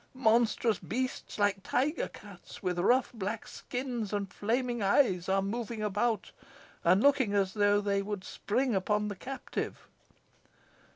Monstrous beasts, like tiger cats, with rough black skins and flaming eyes, are moving about, and looking as if they would spring upon the captive.